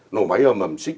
nổ máy ở mầm xích